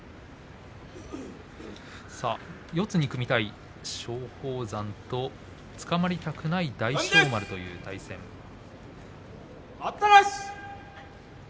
四つに組みたい松鳳山とつかまりたくない大翔丸との対戦になりました。